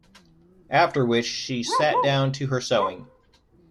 After which she sat down to her sewing.